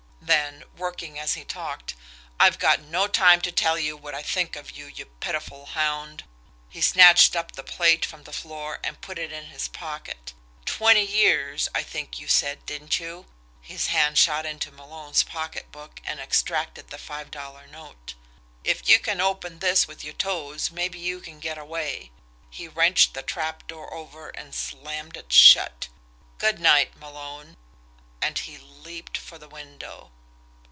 Then, working as he talked: "I've got no time to tell you what I think of you, you pitiful hound" he snatched up the plate from the floor and put it in his pocket "Twenty years, I think you said, didn't you?" his hand shot into Malone's pocket book, and extracted the five dollar note "If you can open this with your toes maybe you can get a way" he wrenched the trapdoor over and slammed it shut "good night, Malone" and he leaped for the window.